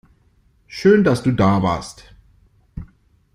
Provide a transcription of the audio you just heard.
Schön, dass du da warst.